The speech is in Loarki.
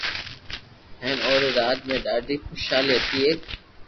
ھين اوري راج ۾ ڌاڌي خوݾالي ھتي ايڪ